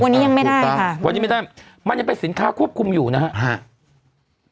วันนี้ยังไม่ได้ค่ะวันนี้ไม่ได้มันยังเป็นสินค้าควบคุมอยู่นะฮะ